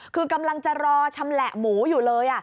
คือกำลังจะรอชำแหละหมูอยู่เลย